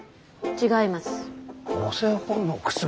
違います。